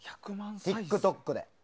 ＴｉｋＴｏｋで。